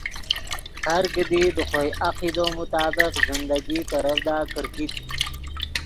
ہر کیدی دے خوئے عقیدو مطابق زندگی ترڤدا کرکیت